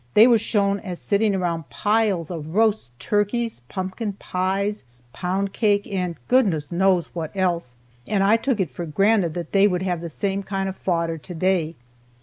They were shown as sitting around piles of roast turkeys, pumpkin pies, pound cake, and goodness knows what else, and I took it for granted that they would have the same kind of fodder today.